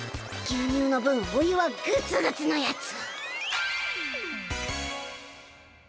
牛乳の分お湯はグツグツのやつ！